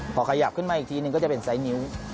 พอขยับขึ้นมาอีกทีนึงก็จะเป็นไซสนิ้ว